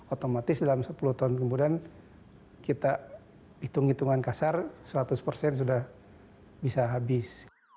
otomatis dalam sepuluh tahun kemudian kita hitung hitungan kasar seratus persen sudah bisa habis